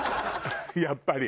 やっぱり。